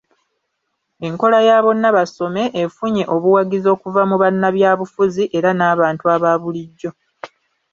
Enkola ya `Bonna Basome' efunye obuwagizi okuva mu bannabyabufuzi era nabantu aba bulijjo.